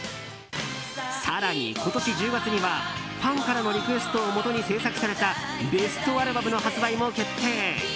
更に今年１０月にはファンからのリクエストをもとに制作されたベストアルバムの発売も決定。